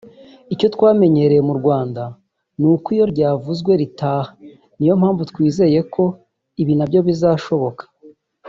Icyo twamenyereye mu Rwanda ni uko iyo ryavuzwe ritaha ni yo mpamvu twizeye ko ibi na byo bizashoboka